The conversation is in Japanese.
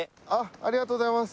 ありがとうございます。